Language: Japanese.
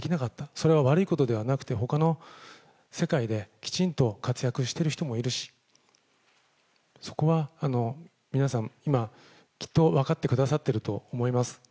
それは悪いことではなくて、ほかの世界できちんと活躍してる人もいるし、そこは皆さん、今、きっと分かってくださってると思います。